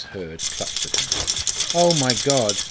Hurd clutched at her. "Oh, my God!"